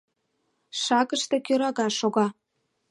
Шагыште кӧрага шога.